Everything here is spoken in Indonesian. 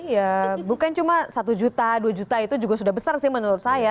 ya bukan cuma satu juta dua juta itu juga sudah besar sih menurut saya